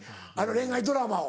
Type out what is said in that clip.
恋愛ドラマを。